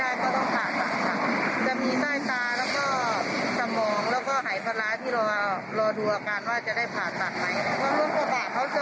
จะมีใต้ตาแล้วก็สมองแล้วก็หายปลาร้าที่รอดูอาการว่าจะได้ผ่านต่างไหน